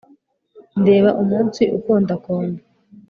ndeba umunsi ukondakonda